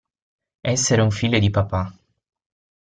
Essere un figlio di papà.